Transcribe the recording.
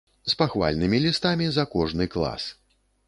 З пахвальнымі лістамі за кожны клас.